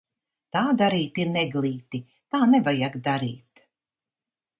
Tā darīt ir neglīti, tā nevajag darīt!